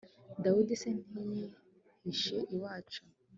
dawudi se, ntiyihishe iwacu